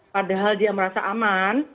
padahal dia merasa aman